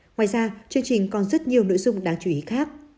ngoài ra chương trình còn rất nhiều nội dung đáng chú ý khác